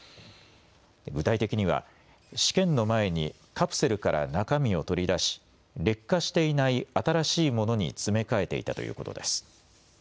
具体的には試験の前にカプセルから中身を取り出し劣化していない新しいものに詰め替えていたということです。